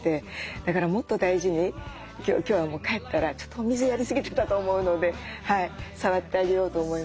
だからもっと大事に今日は帰ったらちょっとお水やりすぎてたと思うので触ってあげようと思います。